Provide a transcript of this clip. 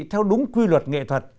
theo đúng quy luật nghệ thuật